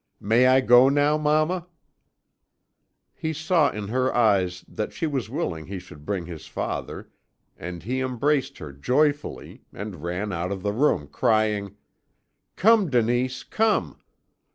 "'May I go now, mamma?' "He saw in her eyes that she was willing he should bring his father, and he embraced her joyfully, and ran out of the room crying: "'Come, Denise, come!